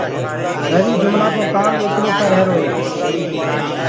رويٚ جُملآنٚ ڪو ڪآم ايڪلو ڪرريهرو هي